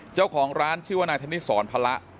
เจ้าของร้านชื่อว่านายธนิสรพละ